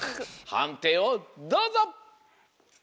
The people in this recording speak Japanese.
はんていをどうぞ！